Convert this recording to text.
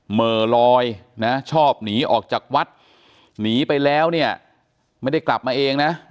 เหม่อลอยนะชอบหนีออกจากวัดหนีไปแล้วเนี่ยไม่ได้กลับมาเองนะ